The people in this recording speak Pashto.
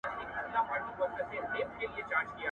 له نه وسه مي ددۍ خور يې.